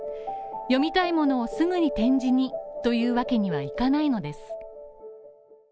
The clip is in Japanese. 読みたいものをすぐに点字にというわけにはいかないのです。